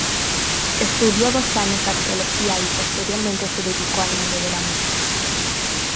Estudió dos años arqueología y posteriormente se dedicó al mundo de la música.